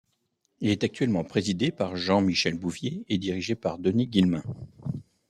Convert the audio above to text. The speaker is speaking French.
Il est actuellement présidé par Jean-Michel Bouvier et dirigé par Denis Guillemin.